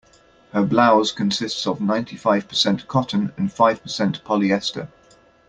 Her blouse consists of ninety-five percent cotton and five percent polyester.